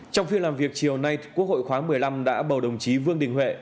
trong phiên làm việc chiều nay quốc hội khóa một mươi năm đã bầu đồng chí vương đình huệ